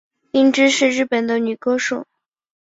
伊织是日本的女歌手。